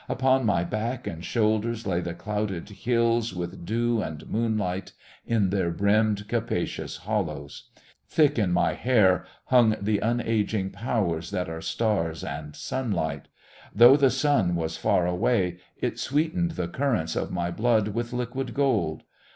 Upon my back and shoulders lay the clouded hills with dew and moonlight in their brimmed, capacious hollows. Thick in my hair hung the unaging powers that are stars and sunlight; though the sun was far away, it sweetened the currents of my blood with liquid gold.